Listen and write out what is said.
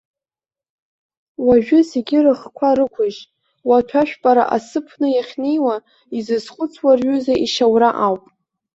Уажәы зегьы рыхқәа рықәыжь, уаҭәашәпара асы ԥны иахьнеиуа, изызхәыцуа рҩыза ишьаура ауп.